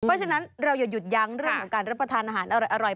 เพราะฉะนั้นเราอย่าหยุดยั้งเรื่องของการรับประทานอาหารอร่อย